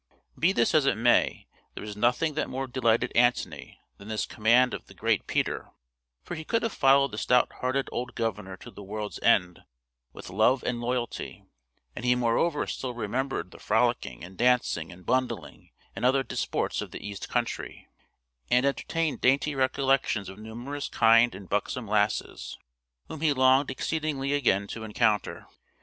Be this as it may, there was nothing that more delighted Antony than this command of the great Peter, for he could have followed the stout hearted old governor to the world's end, with love and loyalty and he moreover still remembered the frolicing, and dancing, and bundling, and other disports of the east country, and entertained dainty recollections of numerous kind and buxom lasses, whom he longed exceedingly again to encounter.